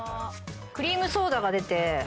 クリームソーダが出て。